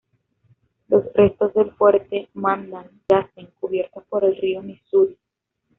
Los restos del fuerte Mandan yacen cubiertos por el río Misuri.